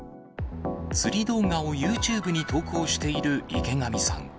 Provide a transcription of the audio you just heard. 釣り動画をユーチューブに投稿している池上さん。